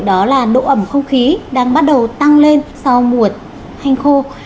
đó là độ ẩm không khí đang bắt đầu tăng lên sau mùa hanh khô